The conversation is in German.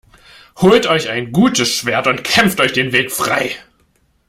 Holt euch ein gutes Schwert und kämpft euch den Weg frei!